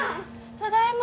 ただいま。